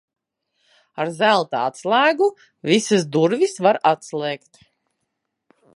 Ar zelta atslēgu visas durvis var atslēgt.